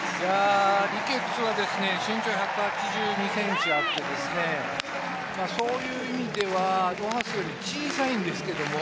リケッツは身長１８２ｃｍあってそういう意味ではロハスより小さいんですけれども、